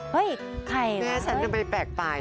เฮ้ยใครล่ะแม่ฉันทำไมแปลกไป